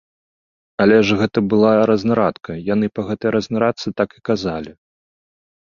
Але ж гэта была разнарадка, яны па гэтай разнарадцы так і казалі.